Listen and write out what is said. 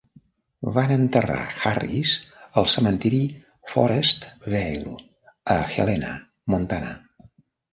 Van enterrar Harris al cementiri Forestvale, a Helena (Montana).